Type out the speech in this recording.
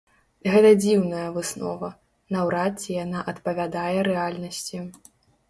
Гэта дзіўная выснова, наўрад ці яна адпавядае рэальнасці.